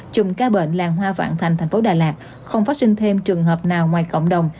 chùm ca bệnh làng hoa vạn thành tp đà lạt không phát sinh thêm trường hợp nào ngoài cộng đồng